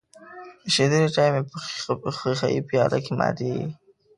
ایشیدلی چای په ښیښه یي پیاله کې ماتیږي.